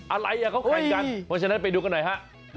อะไรเขาใครกันเพราะฉะนั้นไปดูกันหน่อยฮะ